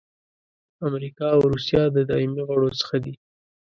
امریکا او روسیه د دایمي غړو څخه دي.